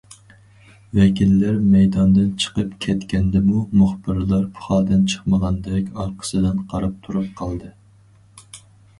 ۋەكىللەر مەيداندىن چىقىپ كەتكەندىمۇ، مۇخبىرلار پۇخادىن چىقمىغاندەك ئارقىسىدىن قاراپ تۇرۇپ قالدى.